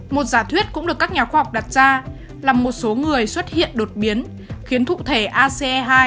một giả thuyết cũng được các nhà khoa học đặt ra là một số người xuất hiện đột biến khiến thụ thể ace hai